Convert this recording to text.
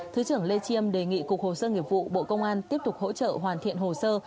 thứ trưởng lê chiêm đề nghị cục hồ sơ nghiệp vụ bộ công an tiếp tục hỗ trợ hoàn thiện hồ sơ